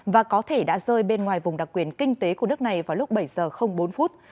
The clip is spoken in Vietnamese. và có thể đã rơi bên ngoài vùng đặc quyền kinh tế của nước này vào lúc bảy giờ bốn phút